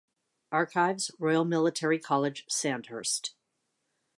Archives, Royal Military College, Sandhurst.